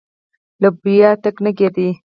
له بويه ټېکه نه کېده.